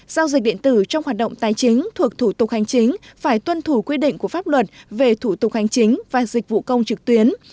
giao dịch điện tử trong hoạt động tài chính thuộc thủ tục hành chính phải tuân thủ quy định của pháp luật về thủ tục hành chính và dịch vụ công trực tuyến